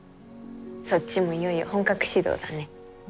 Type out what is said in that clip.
そっちもいよいよ本格始動だね。